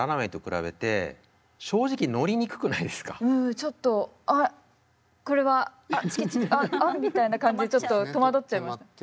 ちょっとあっこれはあっチキチキあっあっみたいな感じでちょっと戸惑っちゃいました。